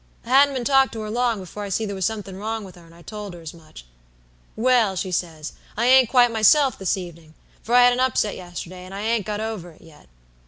"I hadn't been talkin' to her long before I see there was somethink wrong with her and I told her as much. "Well,' she says, 'I ain't quite myself this evenin', for I had a upset yesterday, and I ain't got over it yet.'